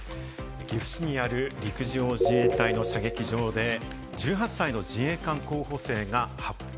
岐阜市にある陸上自衛隊の射撃場で１８歳の自衛官候補生が発砲。